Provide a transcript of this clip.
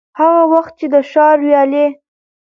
هغه وخت چي د ښار ويالې،